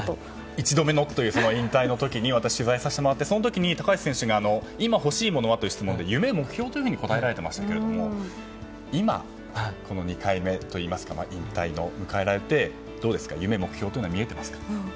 １度目の引退の時に私、取材させてもらってその時、高橋選手が今欲しいものは？という質問で夢・目標と答えられたんですが今、この２回目といいますか引退を迎えられて夢・目標は見えていますか？